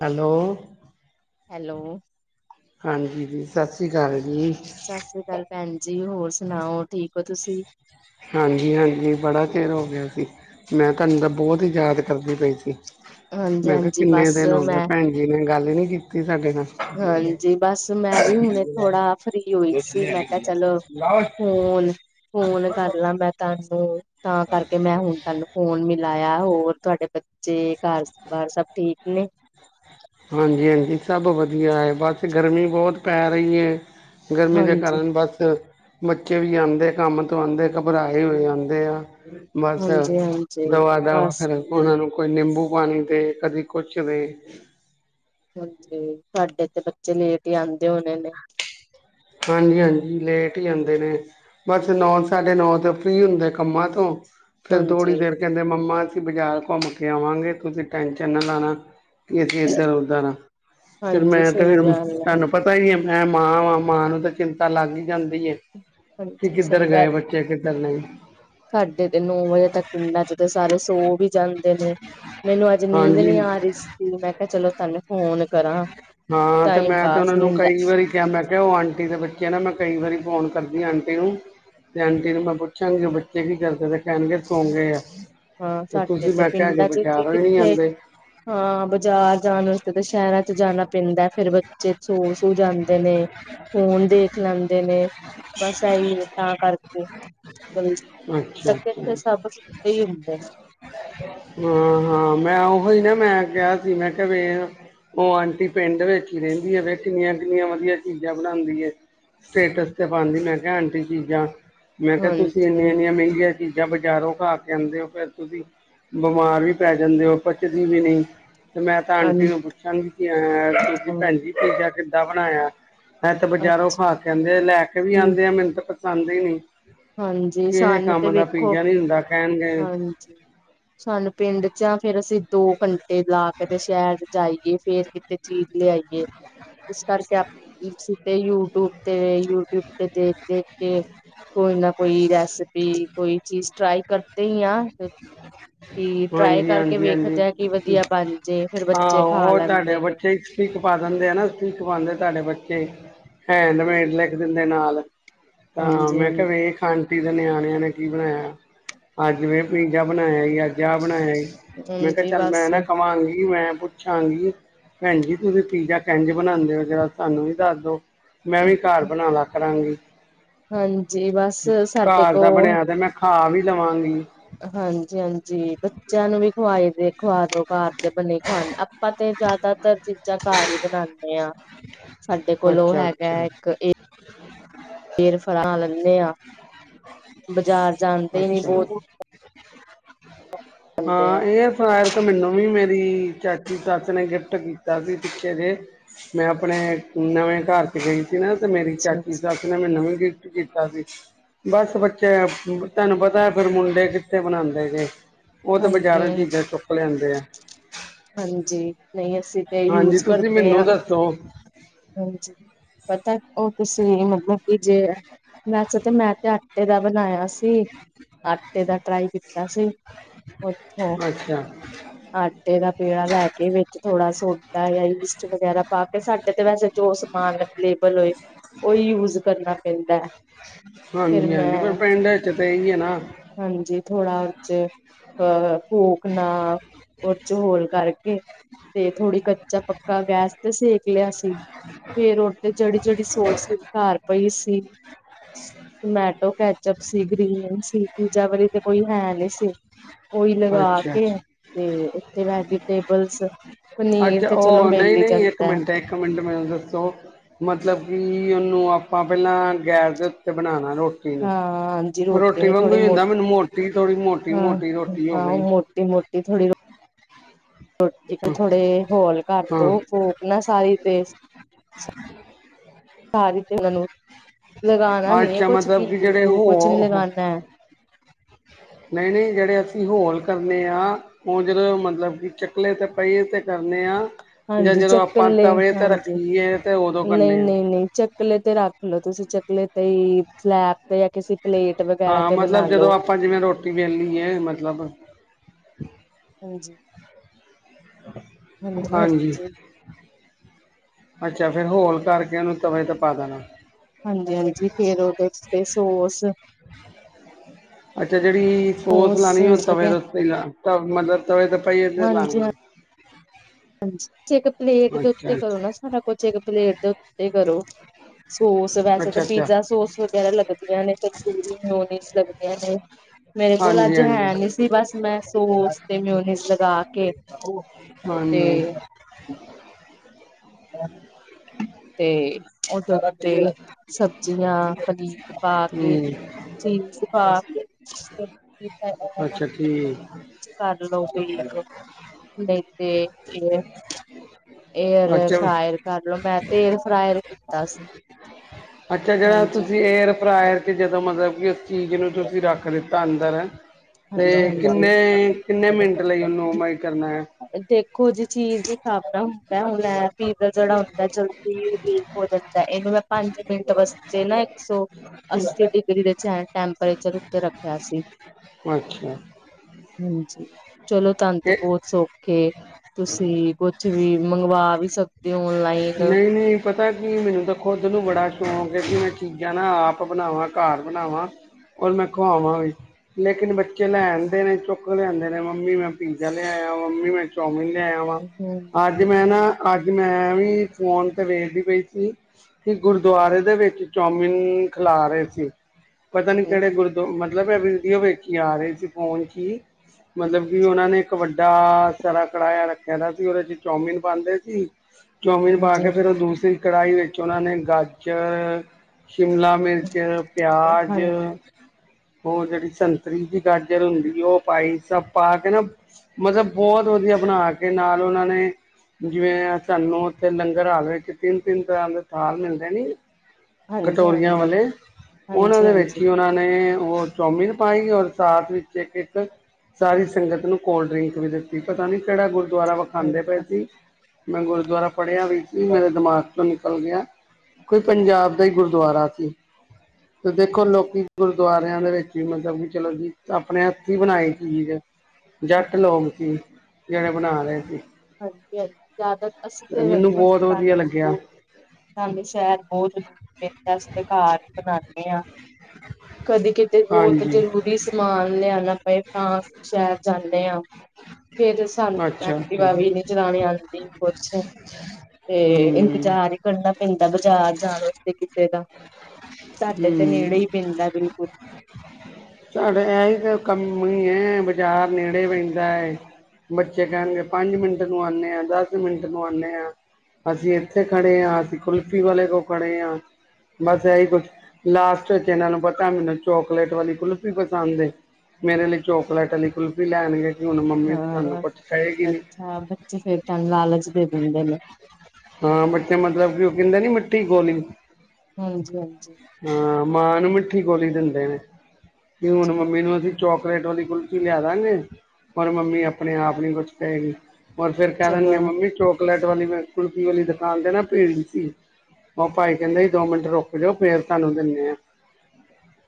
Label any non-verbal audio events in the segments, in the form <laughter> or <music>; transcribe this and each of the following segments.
Hello. Hello. ਹਾਂਜੀ ਸਤਿ ਸ਼੍ਰੀ ਕਾਲ ਜੀ। ਸਤਿ ਸ੍ਰੀ ਕਾਲ ਭੈਣ ਜੀ। ਹੋਰ ਸੁਣਾਓ, ਠੀਕ ਹੋ ਤੁਸੀਂ? ਹਾਂਜੀ-ਹਾਂਜੀ ਬੜਾ ਚਿਰ ਹੋ ਗਿਆ ਸੀ, ਮੈਂ ਤੁਹਾਨੂੰ ਤਾਂ ਬੌਤ ਈ ਯਾਦ ਕਰਦੀ ਪਈ ਸੀ। ਮੈਂ ਕੈ ਹਾਂਜੀ-ਹਾਂਜੀ, ਕਿੰਨੇ ਬਸ ਦਿਨ ਹੋਗੇ ਮੈਂ ਭੈਣ ਜੀ ਨੇ ਗੱਲ ਈ ਨੀ ਕੀਤੀ। ਸਾਡੇ ਨਾਲ ਹਾਂਜੀ ਬਸ ਮੈਂ ਵੀ ਹੁਣੇ ਥੋੜਾ ਫਰੀ ਹੋਈ ਸੀ, ਮੈਂ ਕਿਆ ਚਲੋ ਫੋਨ-ਫੋਨ ਕਰ ਲਾ ਮੈਂ ਤਾਨੂੰ। ਤਾਂ ਕਰਕੇ ਮੈਂ ਹੁਣ ਤਾਨੂੰ ਫ਼ੋਨ ਮਿਲਾਯੈ, ਹੋਰ ਤੁਹਾਡੇ ਬੱਚੇ ਘਰ ਬਾਰ ਸਭ ਠੀਕ ਨੇ? ਹੇ ਹਾਂਜੀ-ਹਾਂਜੀ ਸਭ ਵਧੀਆ ਏ, ਬਸ ਗਰਮੀ ਬੌਤ ਪੈ ਰਹੀ ਏ। ਗਰਮੀ ਦੇ ਹਾਂਜੀ, ਕਾਰਨ ਬਸ ਬੱਚੇ ਵੀ ਆੰਦੇ ਕੰਮ ਤੋਂ ਆਦੇ ਘਬਰਾਏ ਹੋਏ ਆਦੇ ਆ। ਬਸ ਹਾਂਜੀ-ਹਾਂਜੀ, ਦਵਾ ਦਵ ਬਸ ਫੇਰ ਓਨਾਂ ਨੂੰ ਕੋਈ ਨਿੰਬੂ ਪਾਣੀ ਦੇ, ਕਦੀ ਕੁਛ ਦੇ। ਹਾਂਜੀ, ਤੁਹਾਡੇ ਤੇ ਬੱਚੇ ਲੇਟ ਹੀ ਆਂਦੇ ਹੋਣੇ ਨੇ। ਹਾਂਜੀ-ਹਾਂਜੀ ਲੇਟ ਹੀ ਆਦੇ ਨੇ, ਬਸ ਨੌ ਸਾਢੇ ਨੌ ਤੋਂ ਫਰੀ ਹੁੰਦੇ ਕੰਮਾਂ ਤੋਂ। ਫੇਰ ਥੋੜ੍ਹੀ ਹਾਂਜੀ। ਦੇਰ ਕੈੰਦੇ ਮੰਮਾ ਅਸੀਂ ਬਾਜ਼ਾਰ ਘੁੰਮ ਕੇ ਆਵਾਂਗੇ ਤੁਸੀਂ ਟੈਂਸ਼ਨ ਨਾ ਲੈਣਾ। ਕਿ ਅਸੀਂ ਏਧਰ ਉਧਰ ਆ, ਫੇਰ ਹਾਂਜੀ, ਮੈਂ ਤੇ ਸਹੀ ਫੇਰ ਗੱਲ ਹੈ, ਤਾਨੂੰ ਪਤਾ ਈ ਏ। ਮੈਂ ਮਾਂ ਵਾਂ, ਮਾਂ ਨੂੰ ਤੇ ਚਿੰਤਾ ਲੱਗ ਈ ਜਾਂਦੀ ਏ, ਕਿ ਹਾਂਜੀ ਕਿੱਧਰ ਸਹੀ ਗਏ ਗੱਲ ਬੱਚੇ ਕਿ ਕਿਦੱਰ ਨਈਂ। ਸਾਡੇ ਤੇ ਨੌ ਵਜੇ ਤੱਕ ਪਿੰਡਾਂ ਚ ਤੇ ਸਾਰੇ ਸੌ ਵੀ ਜਾਂਦੇ ਨੇ ਮੈਨੂੰ ਅੱਜ ਨੀਂਦ ਨੀ ਹਾਂਜੀ ਆ ਰੀ ਸੀ। ਮੈਂ ਕਿਆ ਚਲੋ ਤਾਨੂੰ ਫੋਨ ਕਰਾਂ। ਹਾਂ, ਤੇ ਟਾਈਮ ਮੈਂ ਤੇ ਪਾਸ ਔਨਾਂ ਨੀ ਨੂੰ ਹੁੰਦਾ ਕਈ ਵਾਰੀ ਕੇਆ, ਮੈਂ ਕਿਆ ਔ ਆਂਟੀ ਦੇ ਬੱਚੇ ਐਨਾ ਮੈਂ ਕਈ ਵਾਰੀ ਫੋਨ ਕਰਦੀ ਆਂਟੀ ਨੂੰ, ਤੇ ਆਂਟੀ ਨੂੰ ਮੈਂ ਪੁੱਛਾਂਗੀ ਔ ਬੱਚੇ ਕੀ ਕਰਦੇ? ਤੇ ਕੈਣਗੇ ਸੋਂਗੇ ਆ। ਹਾਂ ਸਾਡੇ ਤੁਸੀਂ ਤੇ ਮੈਂ ਕਿਹਾ ਜੇ ਪਿੰਡਾਂ ਚ ਕੀ ਵਿਚਾਰੋ ਹੀ ਨਹੀਂ ਕਿੱਥੇ ਆਂਦੇ ਹਾਂ ਬਾਜ਼ਾਰ ਜਾਣ ਵਸਤੇ ਤੇ ਸ਼ ਸੈ਼ਰਾਂ ਚ ਜਾਣਾ ਪੈਂਦਾ, ਫੇਰ ਬੱਚੇ ਸੋ ਸੂ ਜਾਂਦੇ ਨੇ, ਫੋਨ ਦੇਖ ਲੈਂਦ ਦਿਨੇ ਬਸ ਆਹੀ ਤਾਂ ਕਰਕੇ ਤਥ ਤੇ ਸਭ <unintelligible> ਹਾਂ-ਹਾਂ ਮੈਂ ਉਹੀ ਨਾ ਮੈਂ ਕਿਹਾ ਸੀ ਮੈਂ ਕਿਆ ਵੀ ਉਹ ਆਂਟੀ ਪਿੰਡ ਵਿੱਚ ਈ ਰਹਿੰਦੀ ਏ ਵੀ ਕਿੰਨੀਆਂ-ਕਿੰਨੀਆਂ ਵਧੀਆ ਚੀਜ਼ਾਂ ਬਣਾਦੀ ਏ। ਸਟੇਟਸ ਤੇ ਪਾਂਦੀ ਮੈਂ ਕਿਹਾ ਆਂਟੀ ਚੀਜ਼ਾਂ, ਮੈਂ ਕਿਹਾ ਤੁਸੀਂ ਹਾਂਜੀ ਇਨੀਆਂ-ਇੰਨੀਆਂ ਮਹਿਗ ਚੀਜ਼ਾਂ ਬਜ਼ਾਰੋਂ ਖਾ ਕੇ ਆਦੇ ਔ ਫੇਰ ਤੁਸੀਂ ਬਿਮਾਰ ਵੀ ਪੈ ਜਾਂਦੇ ਔ ਪਚਦੀ ਵੀ ਨੀ। ਤੇ ਮੈਂ ਤਾਂ ਆਂਟੀ ਹਾਂਜੀ ਨੂੰ ਪੁੱਛਾਂਗੀ ਕਿ ਅ ਤੁਸੀਂ ਭੈਣ ਜੀ ਚੀ ਜਾ ਕੇ ਬਣਾਇਆ ਮ ਤੇ ਬਜਾਰੋਂ ਖਾ ਕੇ ਆਂਦੇ ਆ ਲੈ ਕੇ ਵੀ ਹਾਂਜੀ। ਆਂਦੇ ਆ ਮੈਨੂੰ ਤਾਂ ਪਸੰਦ ਈ ਨੀ ਹਾਂਜੀ ਕਿਸੇ ਸਾਨੂੰ ਤੇ ਕੰਮ ਦਾ ਵੇਖੋ ਪੀਜਾ ਨੀ ਹੁੰਦਾ। ਕਹਿਣਗੇ ਹਾਂਜੀ ਸਾਨੂੰ ਪਿੰਡ ਚ ਫੇਰ ਅਸੀਂ ਦੋ ਘੰਟੇ ਲਾ ਕੇ ਤੇ ਸ਼ਹਿਰ ਚ ਜਾਈਏ ਫੇਰ ਕਿਤੇ ਚੀਜ਼ ਲਿਆਈਏ ਇਸ ਕਰਕੇ ਆਪ ਸ ਤੇ ਯੂਟੀਊਬ ਤੇ ਯੂਟੀਊਬ ਤੇ-ਤੇ <inaudible> ਕੋਈ ਨਾ ਕੋਈ ਰੈਸਪੀ ਕੋਈ ਚੀਜ਼ ਟਰਾਂਈ ਕਰਦੇ ਈ ਆ ਕਿ ਟਰਾਈ ਹਾਂਜੀ ਕਰਕੇ ਹਾਂਜੀ ਹਾਂਜੀ ਵੇਖਦੇ ਕਿ ਵਧੀਆ ਬਣ ਜੇ ਫਿਰ ਬੱਚੇ ਖਾ ਲੈਂਦੇ ਨੇ। ਪੀਕ ਪਾ ਦਿੰਦੇ ਹਨ ਨਾ ਪੀਕ ਪਾਂਦੇ ਤ ਸਾਡੇ ਬੱਚੇ ਹੈਡਮੇਡ ਲਿਖ ਦਿੰਦੇ ਨਾਲ ਤਾਂ ਹਾਂਜੀ ਮੈਂ ਹਾਂਜੀ ਕਿਆ ਵੀ ਇਹ ਖਾਣ ਪੀਜਾ ਨਿਆਣਿਆਂ ਨੇ ਕੀ ਬਣਾਇਆ ਅੱਜ ਮ ਪੀਜ਼ਾ ਬਣਾਇਆ ਈ ਅੱਜ ਆਹ ਬਣਾਇਆ ਈ। ਮੈਂ ਕਿਆ ਹਾਂਜੀ ਚੱਲ ਮੈਂ ਬਸ ਨਾ ਕਵਾਂਗੀ। ਕੀ ਮੈਂ ਪੁੱਛਾਂਗੀ ਭੈਣ ਜੀ ਤੁਸੀਂ ਪੀਜ਼ਾ ਕਹਿੰਜ ਬਣਾਉਂਦੇ ਓ ਜਰਾ ਸਾਨੂੰ ਵੀ ਦੱਸਦੋ। ਮੈਂ ਵੀ ਘਰ ਬਣਾਲਾ ਕਰਾਂਗੀ। ਹਾਂਜੀ ਬਸ ਸਾਡੇ ਘਰ ਦਾ ਕੋਲ ਬਣਿਆ ਤੇ ਮੈਂ ਖਾ ਵੀ ਲਵਾਂਗੀ। ਹਾਂਜੀ-ਹਾਂਜੀ ਬੱਚਿਆਂ ਨੂੰ ਵੀ ਖਵਾਈ ਦੇ ਖਵਾ ਦੋ। ਘਰ ਦੇ ਬਣੇ ਖਵਾਣ ਆਪਾਂ ਤੇ ਜਿਆਦਾਤਰ ਚੀਜ਼ਾਂ ਘਰ ਈ ਬਣਾਨੇ ਆ। ਸਾਡੇ ਕੋਲੋਂ ਔ ਅੱਛਾ ਹੈਗਾ ਅੱਛਾ ਇੱਕ ਇਹ ਫੇਰ ਫਰਾ ਲੈਂਨੇ ਆਂ, ਬਾਜ਼ਾਰ ਜਾਂਦੇ ਈ ਨੀ ਅੱਛਾ ਬਹੁਤ ਜਾਂਦੇ ਹਾਂ ਆ ਇਹ ਫਾਇਰ ਤੇ ਮੈਨੂੰ ਵੀ ਮੇਰੇ ਮਰੀ ਚਾਚੀ ਤੱੱਚ ਨੇ ਗਿਫਟ ਕੀਤਾ ਸੀ ਪਿੱਛੇ ਜੇ ਮੈਂ ਆਪਣੇ ਨਵੇਂ ਘਰ 'ਚ ਗਈ ਸੀ ਨਾ ਤੇ ਮੇਰੀ ਚਾਚੀ ਹਾਂਜੀ-ਹਾਂਜੀ। ਸੱਸ ਨਾ ਮੈਨੂੰ ਗਿਫਟ ਕੀਤਾ ਕੀਤਾ ਸੀ ਬਸ ਬੱਚੇ ਅਮ ਤਾਨੂੰ ਪਤਾ ਫਿਰ ਮੁੰਡੇ ਕਿੱਥੇ ਬਣਾਦੇ ਗ ਉਹ ਤਾਂ ਬਾਜ਼ਾਰੋਂ ਈ ਹਾਂਜੀ ਚੀਜ਼ਾਂ ਚੁੱਕ ਲਿਆਦੇ ਆ। ਹਾਂਜੀ ਨਹੀਂ ਅਸੀਂ ਤੇ ਇਹੀ ਹਾਂਜੀ ਯੂਜ ਤੁਸੀਂ ਕਰਦੇ ਆ। ਮੈਨੂੰ ਦੱਸੋ ਹਾਂਜੀ ਪਤਾ ਉਹ ਤੁਸੀਂ ਮਤਲਬ ਕਿ ਜੇ ਵੈਸੇ ਤਾਂ ਮੈਂ ਤੇ ਆਟੇ ਦਾ ਬਣਾਇਆ ਸੀ ਆਟੇ ਦਾ ਟਰਾਈ ਕੀਤਾ ਸੀ ਅੱਛਾ ਅੱਛਾ। ਆਟੇ ਦਾ ਪੇੜਾ ਲੈ ਕੇ ਵਿੱਚ ਥੋੜਾ ਸੋਡਾ ਜਾਂ ਈਸਟ ਵਗੈਰਾ ਪਾ ਕੇ ਸਾਡੇ ਤੇ ਵੈਸੇ ਜੋ ਸਮਾਨ ਲੇਬਲ ਹੋਏ ਉਈ ਯੂਜ ਕਰਨਾ ਪੈਂਦਾ ਏ। ਹਾਂਜੀ-ਹਾਂਜੀ ਪਰ ਪਿੰਡ ਚ ਤਾਂ ਏ ਈ ਏਨਾ ਹਾਂਜੀ ਥੋੜਾ ਉਹਚ ਅ ਫੂਕ ਨਾ ਉਹਚ ਹੋਲ ਕਰਕੇ ਤੇ ਥੋੜ੍ਹੀ ਕੱਚਾ ਪੱਕਾ ਗੈਸ ਤੇ ਸੇਕ ਲਿਆ ਸੀ। ਫੇਰ ਉਹ ਤੇ ਜਿਹੜੀ ਜਿਹੜੀ ਸੋਸ ਘਰ ਪਈ ਸੀ। ਟਮੈਟੋ ਕੈਚਪ ਸੀ ਗ੍ਰੀਨ ਸੀ ਪੀਜ਼ਾ ਵਾਰੀ ਤੇ ਕੋਈ ਹੈ ਨੀ ਸੀ। ਓਈ ਅੱਛਾ ਲਗਾ ਅੱਛਾ। ਕੇ ਤੇ ਉੱਤੇ ਵੈਜੀਟੇਬਲਸ ਪਨੀਰ ਅੱਛਾ ਤੇ ਚਲੋ ਉਹ ਮਿਲ ਹੀ ਨਹੀਂ-ਨਹੀਂ ਇੱਕ ਜਾਂਦਾ ਹੈ। ਮਿੰਟ ਇੱਕ ਮਿੰਟ ਮੈਂ ਦੱਸੋ ਮਤਲਬ ਕਿ ਉਹਨੂੰ ਆਪਾਂ ਪਹਿਲਾਂ ਗੈਸ ਦੇ ਉੱਤੇ ਬਣਾ ਰੋਟੀ ਨੂੰ ਹਾਂ ਹਾਂਜੀ ਰੋਟੀ ਨੂੰ ਥੋੜੀ ਵਾਂਗੂਈ ਮੋ ਹੁੰਦਾ ਮੈਨੂੰ ਮੋਟੀ ਥੋੜੀ ਮੋਟੀ-ਮੋਟੀ ਰੋਟੀ ਹੋ ਗਈ। ਤੇ ਮੋਟੀ ਥੋੜੀ ਰੋਟੀ ਹਾਂ ਥੋੜੇ ਹੋਲ ਘਰ ਹਾਂ, ਦੋ ਫੂਕ ਨਾ ਸਾਰੀ ਤੇ ਸ ਦਿੱ ਤੇ ਉਹਨਾਂ ਨੂੰ ਡਰਾਣਾ ਨਹੀਂ ਇਹ ਅੱਛਾ ਕੁਛ ਮਤਲਬ ਕਿ ਕੀ ਜਿਹੜੇ ਕੁਛ ਨੀ ਹੋ ਲਗਾਣਾ ਨਹੀਂ ਨਹੀਂ ਜਿਹੜੇ ਅਸੀਂ ਹੋਲ ਕਰਨੇ ਆ ਉ ਜਦ ਮਤਲਬ ਕਿ ਚੱਕਲੇ ਤੇ ਪਹੀ ਤੇ ਕਰ ਨਿਆ ਹਾਂਜੀ ਚੱਕਲੇ ਹਾਂਜੀ ਰੱਖੀਏ ਤੇ ਉਦੋਂ ਨਹੀਂ ਕਰਨੇ ਆ ਨਹੀਂ ਨਹੀਂ ਚੱਕਲੇ ਤੇ ਰੱਖ ਲਓ ਤੁਸੀਂ ਕਿਸ ਚਕਲੇ ਤੇ ਹੀ ਸਲੈਬ ਤੇ ਜਾਂ ਕਿਸੇ ਪਲੇਟ ਵਗੈਰਾ ਹਾਂ ਤੇ ਮਤਲਬ ਬਣਾ ਜਦੋਂ ਲੋ ਆਪਾਂ ਜਿਵੇਂ ਰੋਟੀ ਵਿਹਣੀ ਹੈ ਮਤਲਬ ਹਾਂਜੀ ਹਾਂਜੀ ਹਾਂਜੀ ਅੱਛਾ ਫਿਰ ਹੋਲ ਕਰਕੇ ਉਹਨੂੰ ਤਵੇ ਤੇ ਪਾ ਦੇਣਾ ਹਾਂਜੀ ਹਾਂਜੀ ਫਿਰ ਉਹ ਦੇਤੇ ਸੋਸ ਅੱਛਾ ਜਿਹੜੀ ਸੋਸ ਲਾਣੀ ਉਹ ਤਵੇ ਵਗੈ ਰਸ ਤ ਮਤਲਬ ਤਵੇ ਭਾਈ ਇਧਰ ਹਾਂਜੀ ਲਾਣੀ ਇੱਕ ਪਲੇਟ ਦੇ ਅੱਛਾ, ਉੱਤੇ ਕਰੋ ਅੱਛਾ, ਨਾ ਸਾਰਾ ਕੁਛ ਇੱਕ ਪਲੇਟ ਦੇ ਉੱਤੇ ਕਰੋ ਸੋਸ ਵੈਸੇ ਅੱਛਾ ਤਾਂ ਅੱਛਾ ਪੀਜ਼ਾ ਸੋਸ ਵਗੈਰਾ ਲੱਗਦੀਆਂ ਨੇ ਤੰਦੂਰੀ ਨੋਨ ਲੱਗਦੀਆਂ ਨੇ ਮੇਰੇ ਕੋਲ ਹਾਂਜੀ, ਅੱਜ ਹਾਂਜੀ, ਹੈ ਨੀ ਸੀ ਬਸ ਮੈਂ ਸੋਸ ਤੇ ਮਿਊਨੀ ਲਗਾ ਕੇ ਹਾਂਜੀ ਤੇ ਤੇ ਉਹ ਜਗਾ ਤੇ ਸਬਜ਼ੀਆਂ ਪਨੀਰ ਪਾ ਕੇ ਹੂੰ ਚੀਜ਼ ਹਾਂ ਅੱਛਾ ਠੀਕ ਕਰ ਲਓ ਤੇ ਇੱਕ ਦੇਖ ਕੇ ਏਅਰ ਅੱਛਾ। ਫਰਾਇਰ ਕਰਲੋ ਮੈਂ ਤੇਲ ਫਰਾਇਰ ਕੀਤਾ ਸੀ ਅੱਛਾ ਜਿਹੜਾ ਹਾਂਜੀ, ਤੁਸੀਂ ਏਅਰ ਫਰਾਇਰ ' ਜਦੋਂ ਮਤਲਬ ਕਿ ਉਸ ਚੀਜ਼ ਨੂੰ ਤੁਸੀਂ ਰੱਖ ਦਿੱਤਾ ਅੰਦਰ ਤੇ ਹਾਂਜੀ-ਹਾਂਜੀ ਕਿੰਨੇ ਕਿੰਨੇ ਮਿੰਟ ਲਈ ਉਹਨੂੰ ਮਾਈ ਕਰਨਾ ਹੈ ਦੇਖੋ ਜੀ ਚੀਜ਼ ਦੇ ਹਿਸਾਬ ਨਾਲ ਮ ਹੁਣ ਪੀਜ਼ਾ ਜਿਹੜਾ ਹੁੰਦਾ ਜਲਦੀ ਵੀਕ ਹੋ ਜਾਂਦਾ ਇਹਨੂੰ ਮੈਂ ਪੰਜ ਮਿੰਟ ਵਾਸਤੇ ਨਾ ਇੱਕ ਸੌ ਅੱਸੀ ਡਿਗਰੀ ਦੇ ਟੈਂਪਰੇਚਰ ਉੱਤੇ ਰੱਖਿਆ ਸੀ। ਅੱਛਾ, ਹਾਂਜੀ, ਚਲੋ ਤੁਹਾਨੂੰ ਤੇ ਬਹੁਤ ਸੌਖੇ ਤੁਸੀਂ ਕੁਛ ਵੀ ਮੰਗਵਾ ਵੀ ਸਕਦੇ ਹੋ ਓਨਲਾਈਨ ਨਹੀਂ ਨਹੀਂ ਪਤਾ ਕੀ ਮੈਨੂੰ ਤਾਂ ਖੁਦ ਨੂੰ ਬੜਾ ਸ਼ੌਂਕ ਹੈ ਕਿ ਮੈਂ ਚੀਜ਼ਾਂ ਨਾ ਆਪ ਬਣਾਵਾਂ ਘਰ ਬਣਾਵਾਂ ਔਰ ਮੈਂ ਖਵਾਵਾਂ ਵੀ ਲੇਕਿਨ ਬੱਚੇ ਲੈਣਦੇ ਨੇ ਚੁੱਕ ਲਿਆਂਦੇ ਨੇ ਮੰਮੀ ਮੈਂ ਪੀਜ਼ਾ ਲਿਆ ਆਇਆ ਵਾਂ, ਮੰਮੀ ਮੈਂ ਚੌਮਿਨ ਲਿਆਇ ਵਾ, ਹਮ ਅੱਜ ਮੈਂ ਨਾ ਅੱਜ ਮੈਂ ਵੀ ਫੋਨ ਤੇ ਵੇਖਦੀ ਪਈ ਸੀ ਕਿ ਗੁਰਦੁਆਰੇ ਦੇ ਵਿੱਚ ਚੌਮਿਨ ਲਾ ਰਹੇ ਸੀ। ਪਤਾ ਨੀ ਕਿਹੜੇ ਗੁਰਦੁ ਮਤਲਬ ਵੀਡੀਓ ਵੇਖੀ ਆ ਰਹੀ ਸੀ। ਫੋਨ ਚੀ, ਮਤਲਬ ਕਿ ਉਹਨਾਂ ਨੇ ਇੱਕ ਵੱਡਾ ਸਾਰਾ ਕੜਾਇਆ ਰੱਖਿਆ ਦਾ ਸੀ। ਉਹਦੇ ਚ ਚੌਮਿਨ ਪਾਉਂਦੇ ਸੀ। ਚੋਮਿਨ ਪਾ ਹਾਂਜੀ ਕੇ ਫਿਰ ਉਹ ਦੂਸਰੀ ਕੜਾਹੀ ਵਿੱਚ ਉਹਨਾਂ ਨੇ ਗਾਜਰ ਸ਼ਿਮਲਾ ਮਿਰਚ, ਪਿਆਜ਼ ਹਾਂ ਉਹ ਜਿਹੜੀ ਸੰਤਰੀ ਦੀ ਗਾਜਰ ਹੁੰਦੀ ਉਹ ਪਾਈ ਸਭ ਪਾ ਕੇ ਨਾ ਮਤਲਬ ਬਹੁਤ ਵਧੀਆ ਬਣਾ ਕੇ ਨਾਲ ਉਹਨਾਂ ਨੇ ਜਿਵੇਂ ਸਾਨੂੰ ਉਥੇ ਲੰਗਰ ਹਾਲ ਵਿੱਚ ਤਿੰਨ ਤਿੰਨ ਤਰ੍ਹਾਂ ਦੇ ਥਾਲ ਮਿਲਦੇ ਨੀ ਹਾਂਜੀ ਹਾਂਜੀ ਕਟੋਰੀਆਂ ਹਾਂਜੀ ਵਾਲੇ ਉਹਨਾਂ ਹਾਂਜੀ ਦੇ ਵਿੱਚ ਹਾਂਜੀ ਹੀ ਉਹਨਾਂ ਨੇ ਉਹ ਚੌਮਿਨ ਪਾਏ ਔਰ ਸਾਥ ਵਿੱਚ ਇੱਕ ਇੱਕ ਸਾਰੀ ਸੰਗਤ ਨੂੰ ਕੋਲਡ ਡਰਿੰਕ ਵੀ ਦਿੱਤੀ ਪਤਾ ਨਹੀਂ ਕਿਹੜਾ ਗੁਰਦੁਆਰਾ ਵਖਾਂਦੇ ਪਏ ਸੀ ਮੈਂ ਗੁਰਦੁਆਰਾ ਪੜਿਆ ਵੀ ਸੀ ਮੇਰੇ ਦਿਮਾਗ ਚ ਨਿਕਲ ਗਿਆ ਕੋਈ ਪੰਜਾਬ ਦਾ ਹੀ ਗੁਰਦੁਆਰਾ ਸੀ ਤੇ ਦੇਖੋ ਲੋਕੀ ਗੁਰਦੁਆਰਿਆਂ ਦੇ ਵਿੱਚ ਵੀ ਮਤਲਬ ਕਿ ਚਲੋ ਜੀ ਆਪਣੇ ਹੱਥ ਹੀ ਬਣਾਈ ਚੀਜ਼ ਜੱਟ ਹਾਂਜੀ ਲੋਕ ਸੀ ਜਿਹੜੇ ਬਣਾ ਰਹੇ ਸੀ ਹਾਂਜੀ ਹਾਂਜੀ ਜ਼ਿਆਦਾ ਅਸੀਂ ਤੇ ਮੈਨੂੰ ਵੇਖੋ ਜੀ ਬਹੁਤ ਸ ਵਧੀਆ ਲੱਗਿਆ ਸਾਨੂੰ ਸ਼ਹਿਰ ਬਹੁਤ ਦੂਰ ਪੈਂਦਾ ਅਸੀ ਤੇ ਘਰ ਹੀ ਬਣਾਉਂਦੇ ਹਾਂ ਕਦੇ ਕਿਤੇ ਬਹੁਤ ਹਾਂਜੀ ਜ਼ਰੂਰੀ ਸਮਾਨ ਲਿਆਣਾ ਪਏ ਤਾਂ ਅਸੀ ਸ਼ਹਿਰ ਜਾਂਦੇ ਆਂ। ਫੇਰ ਸਾਨੂੰ ਅੱਛਾ ਅੱਛਾ ਐਕਟਿਵਾ ਵੀ ਨੀ ਚਲਾਣੀ ਆਂਦੀ ਕੁੱਛ ਤੇ ਹੂੰ ਇੰਤਜ਼ਾਰ ਹੀ ਕਰਨਾ ਪੈਂਦਾ ਬਾਜ਼ਾਰ ਜਾਣ ਵਾਸਤੇ ਸਾਡੇ ਤੇ ਹੂੰ ਨੇੜੇ ਹੀ ਪੈਂਦਾ ਬਿਲਕੁਲ ਸਾਡੇ ਇਹੀ ਤਾਂ ਕੰਮ ਹੀ ਏ, ਬਾਜ਼ਾਰ ਨੇੜੇ ਪੈਂਦਾ ਏ ਬੱਚੇ ਕਹਿਣਗੇ ਪੰਜ ਮਿੰਟ ਨੂੰ ਆਣੇ ਆ, ਦਸ ਮਿੰਟ ਨੂੰ ਆਣੇ ਆ। ਅਸੀਂ ਇੱਥੇ ਖੜੇ ਆ, ਅਸੀਂ ਕੁਲਫੀ ਵਾਲੇ ਕੋਲ ਖੜੇ ਆ। ਬਸ ਇਹੀ ਕੁੱਛ ਲਾਸਟ ਵਿੱਚ ਇਹਨਾਂ ਨੂੰ ਪਤਾ ਤਾਂ ਮੈਨੂੰ ਚੋਕਲੇਟ ਵਾਲੀ ਕੁਲਫ਼ੀ ਪਸੰਦ ਮੇਰੇ ਲਈ ਚੋਕਲੇਟ ਵਾਲੀ ਕੁਲਫੀ ਲੈਣਗੇ। ਕਿ ਹੁਣ ਮੰਮੀ ਹਾਂ ਸਾਨੂੰ ਕੁਛ ਬਸ ਕਹੇਗੀ ਨੀ। ਅੱਛਾ ਬੱਚੇ ਫੇਰ ਤਨੂੰ ਲਾਲਚ ਦੇ ਦਿੰਦੇ ਨੇ। ਹਾਂ ਬੱਚਿਆਂ ਮਤਲਬ ਕਿ ਉਹ ਕਹਿੰਦੇ ਨੀ ਮਿੱਠੀ ਗੋਲੀ ਹਾਂਜੀ -ਹਾਂਜੀ। ਹਾਂ ਮਾਂ ਨੂੰ ਮਿੱਠੀ ਗੋਲੀ ਦਿੰਦੇ ਨੇ ਕਿ ਹੁਣ ਅੱਛਾ ਮੰਮੀ ਨੂੰ ਅਸੀਂ ਚੌਕ ਚੌਕਲੇਟ ਵਾਲੀ ਕੁਲਫੀ ਲਿਆਦਾ ਗੇ ਹੁਣ ਮੰਮੀ ਆਪਣੇ ਆਪ ਨੀ ਕੁਛ ਕਹੇਗੀ। ਹੁਣ ਫੇਰ ਕਹਿ ਦੇਣਗੇ, ਚਲੋ ਮੰਮੀ ਚੋਕਲੇਟ ਵਾਲੀ ਮੈਂ ਕੁਲਫੀ ਵਾਲੀ ਦੁਕਾਨ ਦੇ ਨਾ ਭੀੜ ਸੀ ਮੈਂ ਭਾਈ ਕਹਿੰਦੇ। ਦੋ ਮਿੰਟ ਰੁਕ ਜਾਓ, ਫੇਰ ਤੁਹਾਨੂੰ ਦਿੰਨੇ ਹਾਂ।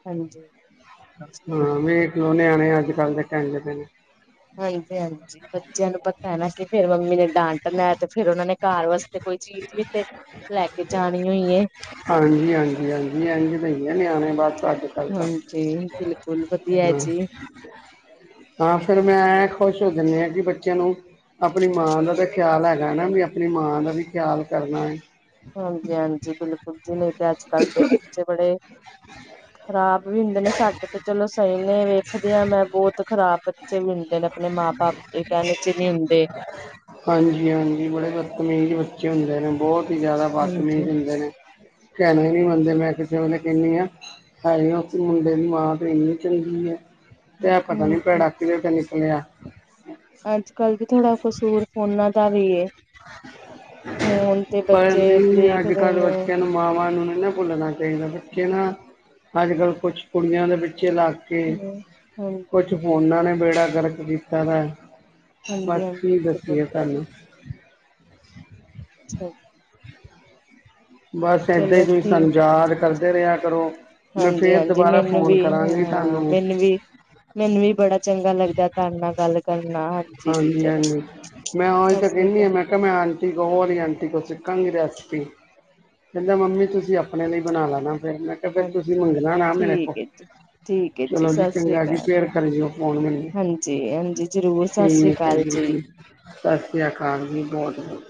ਹਾਂਜੀ ਹਾਂ ਵੇਖਲੋ ਨਿਆਣੇ ਅੱਜ ਕੱਲ੍ਹ ਦੇ <unintelligible> ਹਾਂਜੀ-ਹਾਂਜੀ, ਬੱਚਿਆਂ ਨੂੰ ਪਤਾ ਹੈ ਨਾ ਕਿ ਫੇਰ ਮੰਮੀ ਨੇ ਡਾਂਟਣਾ ਤੇ ਫੇਰ ਉਹਨਾ ਨੇ ਘਰ ਵਾਸਤੇ। ਕੋਈ ਚੀਜ਼ ਵੀ ਤੇ ਲੈ ਕੇ ਜਾਣੀ ਹੋਈ ਹੈ। ਹਾਂਜੀ-ਹਾਂਜੀ-ਹਾਂਜੀ, ਈ ਬਈਆ ਨੇ। ਹਾਂਜੀ, ਬਿਲਕੁਲ ਵਧੀਆ ਜੀ। <unintelligible> ਹਾਂ ਫਿਰ ਮੈਂ ਖੁਸ਼ ਹੋ ਜਾਂਦੇ ਹਾਂ, ਕਿ ਬੱਚਿਆਂ ਨੂੰ ਆਪਣੀ ਮਾਂ ਦਾ ਤਾਂ ਖਿਆਲ ਹੈ। ਰਹਿਣਾ ਵੀ ਆਪਣੀ ਮਾਂ ਦਾ ਵੀ ਖਿਆਲ ਕਰਨਾ ਹੈ। ਹਾਂਜੀ-ਹਾਂਜੀ, ਬਿਲਕੁਲ ਜੀ ਨਹੀਂ ਤੇ ਅੱਜ-ਕੱਲ ਦੇ ਬੱਚੇ ਬੜੇ ਖਰਾਬ ਵੀ ਹੁੰਦੇ ਨੇ ਸਾਡੇ ਤੇ ਚਲੋ ਸਹੀ ਨੇ ਵੇਖਦੇ, ਹਾਂ ਮੈਂ ਬਹੁਤ ਖ਼ਰਾਬ ਬੱਚੇ ਵੀ ਹੁੰਦੇ ਨੇ ਆਪਣੇ ਮਾਂ ਬਾਪ ਕਹਿਣੇ ਚ ਨੀ ਹੁੰਦੇ ਹਾਂਜੀ ਹਾਂਜੀ ਬੜੇ ਬਤਮੀੇਜ਼ ਬੱਚੇ ਹੁੰਦੇ ਬਹੁਤ ਹੀ ਜ਼ਿਆਦਾ <unintelligible> <unintelligible> ਕਿਸੇ ਹਾਂਜੀ। ਵੇਲੇ ਕਹਨੀ ਆ ਹੈ, ਆ ਮੁੰਡੇ ਦੀ ਮਾਂ ਤੇ ਇੰਨੀ ਚੰਗੀ ਹੈ। ਤੇ ਇਹ ਪਤਾ ਨੀ ਭੈੜਾ ਕਿਤੇ ਤੇ ਨਿਕਲਿਆ। ਅੱਜ-ਕੱਲ੍ਹ ਜਿਹਾ ਥੋੜ੍ਹਾ ਕਸੂਰ ਫੋਨਾਂ ਦਾ ਵੀ ਐ। ਫੋਨ ਤੇ ਪਰ ਬੱਚੇ ਨਹੀਂ ਅੱਜ ਦੇਖਦੇ ਕੱਲ੍ਹ ਨੇ, ਬੱਚਿਆਂ ਨੂੰ ਮਾਵਾਂ ਨੂੰ ਨਹੀਂ ਨਾ ਭੁੱਲਣਾ ਚਾਹੀਦਾ, ਬੱਚੇ ਨਾ ਅੱਜ ਕੱਲ੍ਹ ਕੁਛ ਕੁੜੀਆਂ ਦੇ, ਵਿੱਚ ਪਿੱਛੇ ਲੱਗ ਕੇ, ਹਾਂਜੀ-ਹਾਂਜੀ-ਹਾਂਜੀ ਕੁਛ ਫੋਨਾਂ ਨੇ ਬੇੜਾ ਗਰਕ ਕੀਤਾ ਹੈ ਬਸ ਕਿ ਬਿਲਕੁਲ ਦੱਸੀਏ ਆ ਤੁਹਾਨੂੰ <inaudible> <inaudible> ਬਸ, ਇੱਦਾਂ ਚਲੋ ਹੀ ਤੁਸੀਂ ਸਾਨੂੰ, ਯਾਦ ਕਰਦੇ ਰਿਹਾ ਕਰੋ ਮੈਂ ਫੇਰ ਹਾਂਜੀ-ਹਾਂਜੀ ਦੁਬਾਰਾ ਮੈਨੂੰ ਫੋਨ ਵੀ ਏ, ਕਰਾਂਗੀ ਤੁਹਾਨੂੰ ਮੈਨੂੰ ਵੀ ਮੈਨੂੰ ਵੀ ਬੜਾ ਚੰਗਾ ਲੱਗਦਾ, ਤੁਹਾਡੇ ਨਾਲ ਗੱਲ ਕਰਨਾ ਹਾਂਜੀ ਜੀ ਚਲੋ ਹਾਂਜੀ-ਹਾਂਜੀ ਮੈਂ ਓ ਸਤਿ ਤਾਂ ਸ੍ਰੀ ਕਹਿੰਨੀਂ ਅਕਾਲ ਆ, ਮੈਂ ਕਿਹਾ, ਮੈਂ ਆਂਟੀ ਕੋ ਸਿੱਖਾਂਗੀ ਜੀ ਕਹਿੰਦਾ ਮੰਮੀ ਜੀ ਤੁਸੀਂ ਆਪਣੇ ਲਈ ਬਣਾ ਲੈਣਾ ਫਿਰ ਮੈਂ ਕਿਹਾ, ਫਿਰ ਤੁਸੀਂ ਹਾਂਜੀ ਮੰਗਣਾ ਨਾ ਮੇਰੇ ਕੋਲ ਠੀਕ ਹੈ ਜੀ ਠੀਕ ਹੈ ਚਲੋ ਜੀ, ਸਤਿ ਸ੍ਰੀ ਚੰਗਾ ਜੀ, ਅਕਾਲ ਫੇਰ ਕਰਓ ਫੋਨ ਮੈਨੂੰ ਹਾਂਜੀ ਹਾਂਜੀ ਜ਼ਰੂਰ ਸਤਿ ਸ੍ਰੀ ਠੀਕ ਹੈ ਅਕਾਲ ਜੀ, ਸਤਿ ਸ਼੍ਰੀ ਅਕਾਲ ਜੀ, ਬਹੁਤ ਬਹੁਤ